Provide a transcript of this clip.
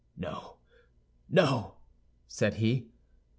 "No, no," said he.